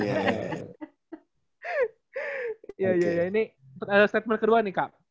iya iya ini statement kedua nih kak